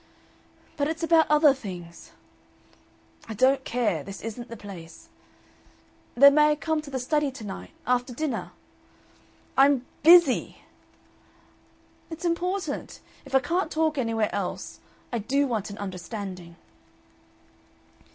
"But it's about other things." "I don't care. This isn't the place." "Then may I come to the study to night after dinner?" "I'm BUSY!" "It's important. If I can't talk anywhere else I DO want an understanding."